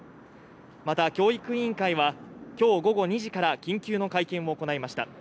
また教育委員会は今日午後２時から緊急の会見を行いました。